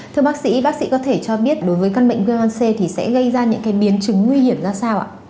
thưa bác sĩ bác sĩ có thể cho biết đối với căn bệnh vnc sẽ gây ra những biến chứng nguy hiểm ra sao